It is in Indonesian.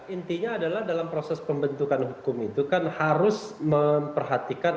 intinya adalah dalam proses pembentukan hukum itu kan harus memperhatikan